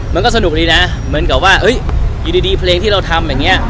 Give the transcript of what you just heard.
มันก็สนุกดีนะเหมือนกับว่าอยู่ดีเพลงที่เราทำอย่างนี้